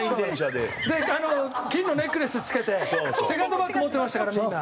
で金のネックレス着けてセカンドバッグ持ってましたからみんな。